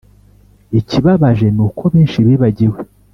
ikibabaje nuko benshi bibagiwe